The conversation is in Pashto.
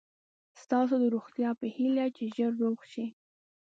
ستاسو د روغتیا په هیله چې ژر روغ شئ.